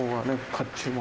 甲冑も。